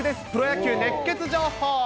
プロ野球熱ケツ情報。